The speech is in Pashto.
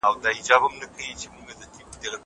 خير که په پرده کي دی شغله کوي